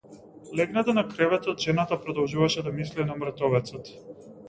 Легната на креветот жената продолжуваше да мисли на мртовецот.